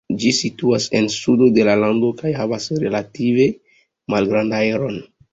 Ĝi situas en sudo de la lando kaj havas relative malgrandan areon.